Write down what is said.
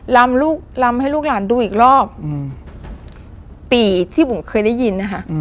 ลำลูกลำให้ลูกหลานดูอีกรอบปีที่บุ๋มเคยได้ยินนะคะ